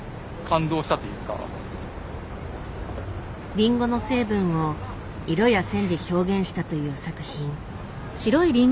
リンゴの成分を色や線で表現したという作品。